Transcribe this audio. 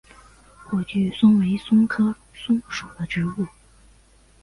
火炬松为松科松属的植物。